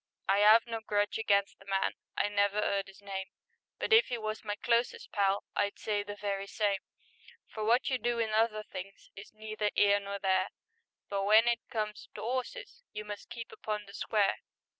I 'ave no grudge against the man — I never 'eard 'is name, But if he was my closest pal I'd say the very same, For wot you do in other things Is neither 'ere nor there, But w'en it comes to 'orses You must keep upon the square.